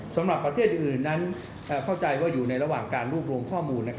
สำหรับประเทศอื่นนั้นเข้าใจว่าอยู่ในระหว่างการรวบรวมข้อมูล